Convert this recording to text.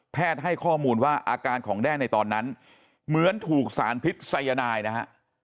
ให้ข้อมูลว่าอาการของแด้ในตอนนั้นเหมือนถูกสารพิษัยนายนะฮะ